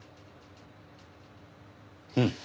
うん。